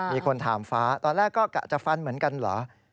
มีคนถามฟ้าตอนแรกก็กะจะฟันเหมือนกันเหรอ